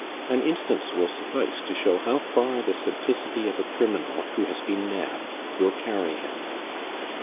An instance will suffice to show how far the simplicity of a criminal who has been nabbed will carry him.